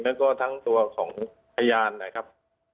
แล้วก็ทั้งตัวของพยานนะครับ